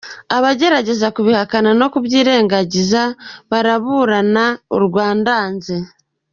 Abagerageza kubihakana no kubyirengagiza baraburana urwa ndanze.